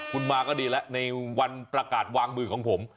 คุณมาก็ดีแล้วในวันประกาศวางมือของผม